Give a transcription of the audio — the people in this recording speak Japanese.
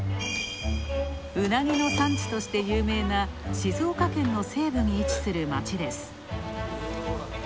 うなぎの産地として有名な静岡県の西部に位置する街です。